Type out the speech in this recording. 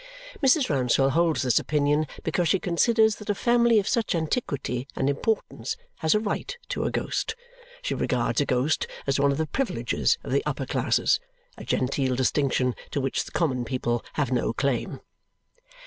Mrs. Rouncewell holds this opinion because she considers that a family of such antiquity and importance has a right to a ghost. She regards a ghost as one of the privileges of the upper classes, a genteel distinction to which the common people have no claim.